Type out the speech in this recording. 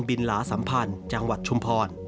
หลาสัมพันธ์จังหวัดชุมพร